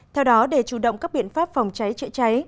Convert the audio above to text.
theo đó để chủ động các biện pháp phòng cháy chữa cháy